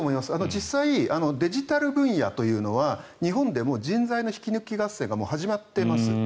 実際にデジタル分野というのは日本でも人材の引き抜き合戦が始まっています。